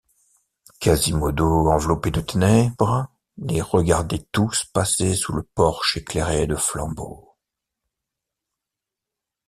Quasimodo enveloppé de ténèbres les regardait tous passer sous le porche éclairé de flambeaux.